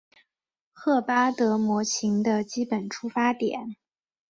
赫巴德模型的基本出发点。